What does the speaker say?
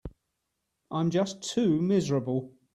I'm just too miserable.